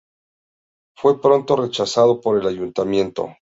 Fue pronto rechazado por el Ayuntamiento.